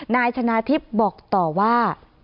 นายชนะทิพย์บอกต่อว่า